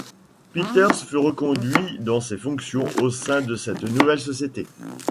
Peters fut reconduit dans ses fonctions au sein de cette nouvelle société.